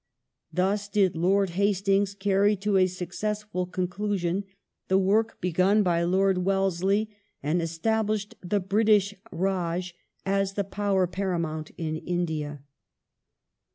Thus " did Lord Hastings carry to a successful conclusion the work begun by Lord Wellesley and establish the British R^j as the Power Paramount in India".